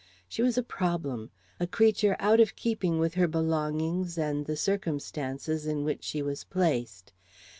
She was a problem; a creature out of keeping with her belongings and the circumstances in which she was placed.